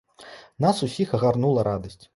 Нас усіх агарнула радасць.